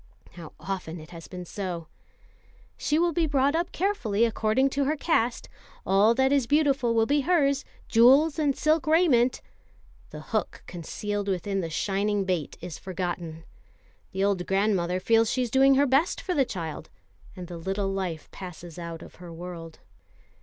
How often it has been so! "She will be brought up carefully according to her caste. All that is beautiful will be hers, jewels and silk raiment." The hook concealed within the shining bait is forgotten. The old grandmother feels she is doing her best for the child, and the little life passes out of her world.